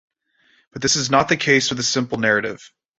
But this is not the case with a simple narrative.